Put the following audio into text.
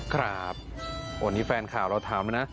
ครับโอ้นี่แฟนข่าวเราถามแล้วนะ